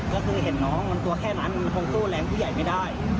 ก็คือเห็นน้องมันตัวแค่นั้นมันคงสู้แรงผู้ใหญ่ไม่ได้